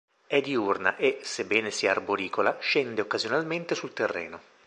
È diurna e, sebbene sia arboricola, scende occasionalmente sul terreno.